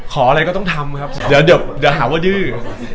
อะไรก็ต้องทำครับเดี๋ยวหาว่าดื้อ